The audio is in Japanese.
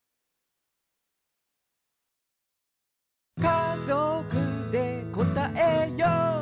「かぞくでこたえよう」